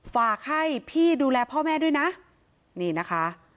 ฝากให้พี่ดูแลพ่อแม่ด้วยนะนี่นะคะ